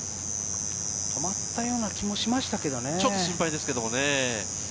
止まったような気もしましたけれどね。